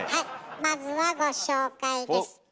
まずはご紹介です。